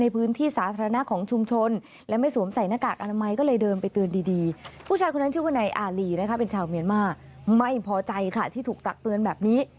เป็นชาวเมียนมาร์ไม่พอใจค่ะที่ถูกตักเตือนแบบนี้